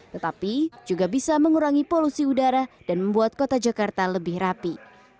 tetapi juga bisa mengurangi polusi udara dan membuat kota jakarta lebih rapi